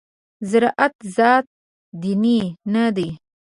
زراعت ذاتاً دیني نه دی.